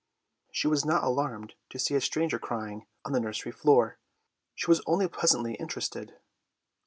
She was not alarmed to see a stranger crying on the nursery floor; she was only pleasantly interested.